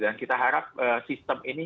dan kita harap sistem ini